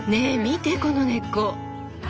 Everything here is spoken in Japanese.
見てこの根っこ！